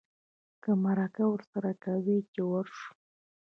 که مرکه ورسره کوې چې ورشو.